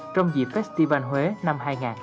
trong dịp festival huế năm hai nghìn hai mươi